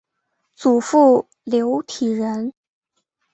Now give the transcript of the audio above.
祖父刘体仁。